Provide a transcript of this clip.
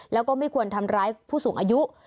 แล้วก็ไม่ควรทำร้ายผู้สูงอายุ